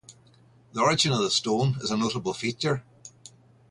The origin of the stone is a notable feature.